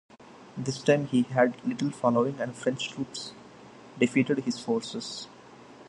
This time he had little following and French troops defeated his forces.